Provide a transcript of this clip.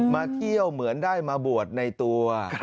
มาเที่ยวเหมือนได้มาบวชในตัว